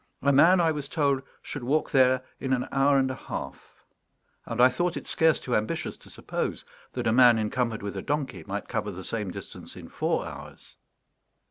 A man, I was told, should walk there in an hour and a half; and I thought it scarce too ambitious to suppose that a man encumbered with a donkey might cover the same distance in four hours.